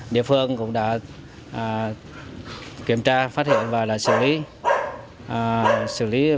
địa phương cũng đã kiểm tra phát hiện và xử lý